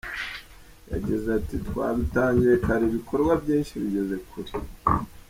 Yagize ati “Twabitangiye kare ibikorwa byinshi bigeze kure.